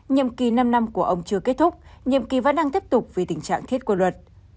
nhiệm kỳ năm năm của ông chưa kết thúc nhiệm kỳ vẫn đang tiếp tục vì tình trạng thiết của luật